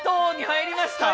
入りました。